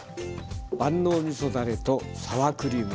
万能みそだれとサワークリーム。